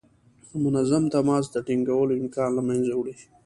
د منظم تماس د ټینګولو امکان له منځه وړي.